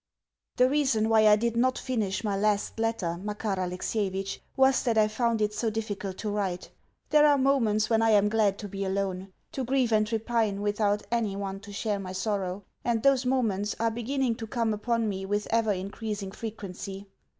The reason why I did not finish my last letter, Makar Alexievitch, was that I found it so difficult to write. There are moments when I am glad to be alone to grieve and repine without any one to share my sorrow: and those moments are beginning to come upon me with ever increasing frequency.